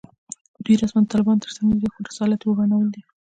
دوی رسماً د طالبانو تر څنګ نه جنګېږي خو رسالت یې ورانول دي